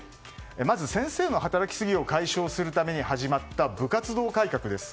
まず先生の働きすぎを解消するために始まった部活動改革です。